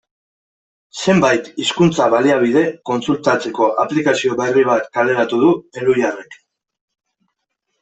Zenbait hizkuntza-baliabide kontsultatzeko aplikazio berri bat kaleratu du Elhuyarrek.